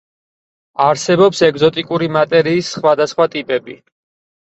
არსებობს ეგზოტიკური მატერიის სხვადასხვა ტიპები.